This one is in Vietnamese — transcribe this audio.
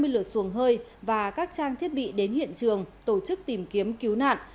hai mươi lửa xuồng hơi và các trang thiết bị đến hiện trường tổ chức tìm kiếm cứu nạn